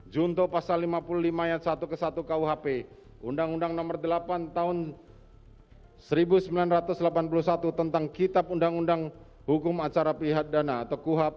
junto pasal lima puluh lima ayat satu ke satu kuhp undang undang nomor delapan tahun seribu sembilan ratus delapan puluh satu tentang kitab undang undang hukum acara pihak dana atau kuhap